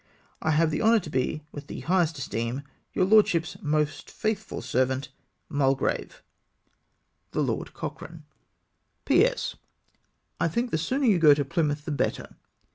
" I have the honour to be, with the highest esteem, " Your lordship's most faithful servant, " Mulgrave. " The Lord Cochrane." 348 RETURN TO THE IMPERIEUSE. "P.S. I think the sooner you go to Plymouth the better.